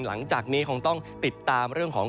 หลังจากนี้คงต้องติดตามเรื่องของ